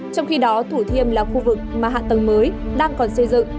trong khi đó thủ thiêm là khu vực mà hạ tầng mới đang còn xây dựng